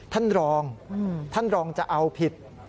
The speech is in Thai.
ท่านรองท่านรองจะเอาผิด